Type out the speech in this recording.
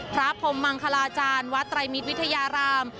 พระพรมมังคลาจารย์วัดไตรมิตรวิทยาราม